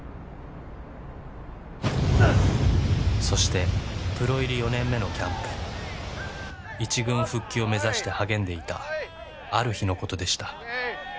そしてプロ入り４年目のキャンプ一軍復帰を目指して励んでいたある日のことでした